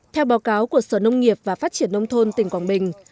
theo báo cáo của sở nông nghiệp và phát triển nông thôn tỉnh quảng bình